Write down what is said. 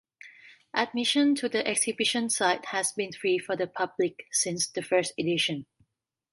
Admission to the exhibition site has been free for the public since the first edition.